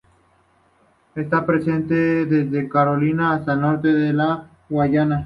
Está presente desde Carolina del Norte a la Guyana.